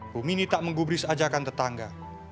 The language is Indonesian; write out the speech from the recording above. humini tak menggubris ajakan tetangga